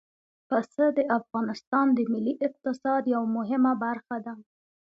پسه د افغانستان د ملي اقتصاد یوه مهمه برخه ده.